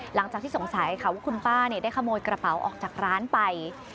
หลังจากที่สงสัยค่ะว่าคุณป้าได้ขโมยกระเป๋าออกจากร้านไป